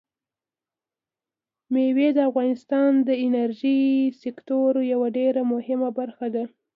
مېوې د افغانستان د انرژۍ سکتور یوه ډېره مهمه برخه ده.